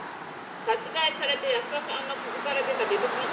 殺害された保田さんの傷から出た微物の鑑定結果